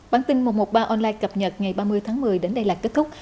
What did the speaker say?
bản tin một trăm một mươi ba online cập nhật ngày ba mươi tháng một mươi đến đây là kết thúc